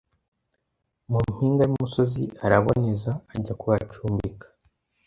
mu mpinga y' umusozi araboneza ajya kuhacumbika